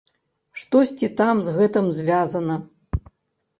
Штосьці там з гэтым звязана.